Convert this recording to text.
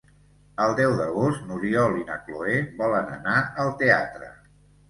El deu d'agost n'Oriol i na Cloè volen anar al teatre.